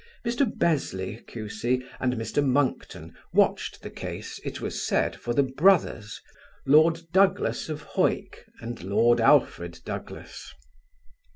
Mr. Besley, Q.C., and Mr. Monckton watched the case, it was said, for the brothers, Lord Douglas of Hawick and Lord Alfred Douglas.